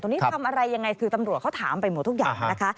นี้ทำอะไรยังไงคือตำรวจเขาถามไปหมดทุกอย่างนะคะ